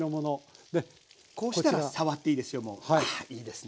あいいですね。